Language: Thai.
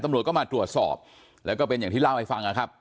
ตำรวจก็มาตรวจสอบแล้วก็เป็นอย่างที่เล่าให้ฟังนะครับ